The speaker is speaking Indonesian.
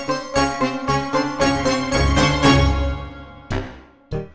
eh kenapa sih